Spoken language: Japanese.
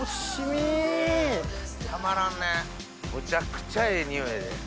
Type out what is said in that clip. むちゃくちゃええ匂いやで。